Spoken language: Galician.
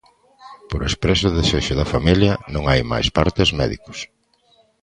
Por expreso desexo da familia, non hai máis partes médicos.